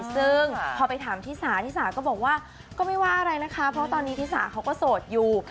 ซึ่งพอไปถามที่สาธิสาก็บอกว่าก็ไม่ว่าอะไรนะคะเพราะตอนนี้ที่สาเขาก็โสดอยู่